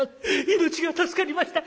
命が助かりました！